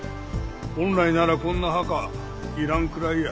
本来ならこんな墓いらんくらいや。